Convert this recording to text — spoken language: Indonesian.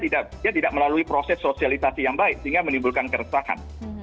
dia tidak melalui proses sosialisasi yang baik sehingga menimbulkan keresahan